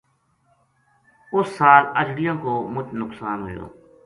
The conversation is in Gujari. اُس سال اجڑیاں کو مُچ نقصان ہویو